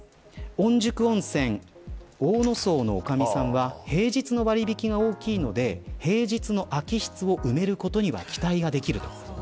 御宿温泉大野荘のおかみさんは平日の割引が大きいので平日の空室を埋めることには期待ができると。